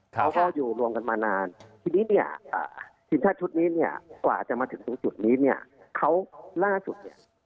เขาก็อยู่รวมกันมานานทีนี้เนี่ยทีมชาติชุดนี้เนี่ยกว่าจะมาถึงตรงจุดนี้เนี่ยเขาล่าสุดเนี่ย